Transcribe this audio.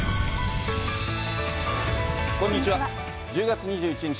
１０月２１日